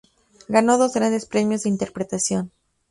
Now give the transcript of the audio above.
Ganó dos grandes premios de interpretación.